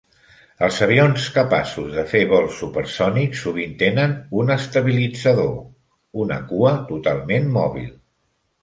Els avions capaços de fer vols supersònic sovint tenen un estabilitzador, una cua totalment mòbil.